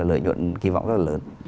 lợi nhuận kỳ vọng rất là lớn